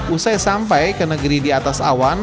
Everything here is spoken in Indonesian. usai sampai ke negeri di atas awan